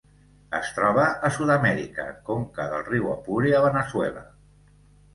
Es troba a Sud-amèrica: conca del riu Apure a Veneçuela.